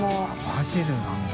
バジルなんだ。